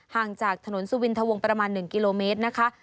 ห่างจากถนนสุวินทวงประมาณ๑กิโลเมตรนะคะ